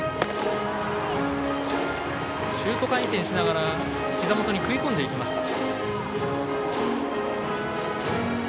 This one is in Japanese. シュート回転しながらひざ元に食い込んでいきました。